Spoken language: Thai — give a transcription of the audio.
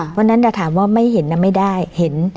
เพราะฉะนั้นถ้าถามว่าไม่เห็นนะไม่ได้เห็น